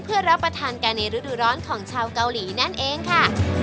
เพื่อรับประทานกันในฤดูร้อนของชาวเกาหลีนั่นเองค่ะ